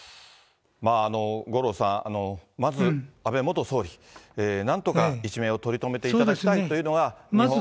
五郎さん、まず、安倍元総理、なんとか一命を取り留めていただきたいというのが。